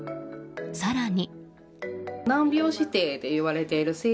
更に。